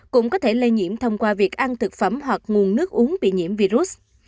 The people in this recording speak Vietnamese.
cũng có thể lây nhiễm thông qua việc ăn thực phẩm hoặc nguồn nước uống bị nhiễm virus